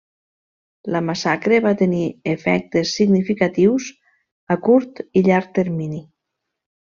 La massacre va tenir efectes significatius a curt i llarg termini.